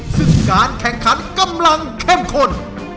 ซึ่งการแข่งขันกำลังเข้มข้น